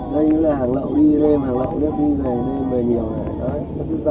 vẫn có hai đứa ở hàng đêm khách hàng liên dụng với đhair thao bài lý của các chùa